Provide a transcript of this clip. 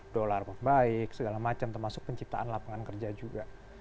dolar baik segala macam termasuk penciptaan lapangan kerja juga